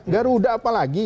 garuda apa lagi